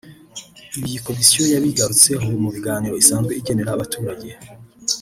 Ibi iyi komisiyo yabigarutseho mu biganiro isanzwe igenera abaturage